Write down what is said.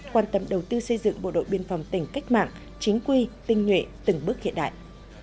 quan tâm đầu tư xây dựng bộ đội biên phòng tỉnh cách mạng chính quy tinh nhuệ từng bước hiện đại